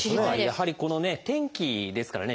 やはり天気ですからね